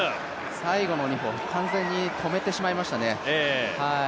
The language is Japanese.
最後の２歩、完全に止めてしまいましたね。